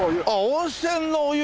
温泉のお湯？